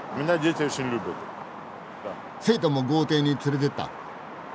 生徒も豪邸に連れてった？